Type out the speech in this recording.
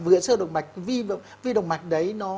vừa sơ động mạch vi động mạch đấy